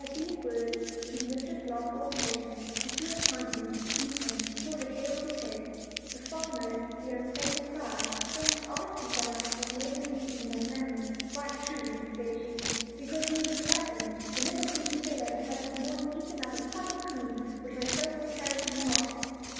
At these words his mistress lost all patience; she flew npon him, beat him, and tore the hair off his head. The farmer, hearing Fatal cry, came and asked his wife what made her beat him in that manner, "Why, truly," said 120 OLD, OLD FAIRY TALES. she, "because he is a glutton: the little greedy fellow has this morning eaten up a pot of cream which I was going to carry to market."